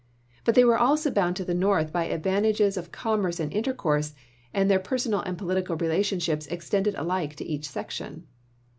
But they were also bound to the North by advantages of commerce and intercourse ; and their personal and political relationships extended alike to each section.